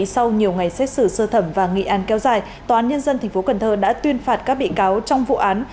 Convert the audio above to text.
sau nhiều ngày xét xử sơ thẩm và nghị án kéo dài tòa án nhân dân tp cn đã tuyên phạt các bị cáo trong vụ án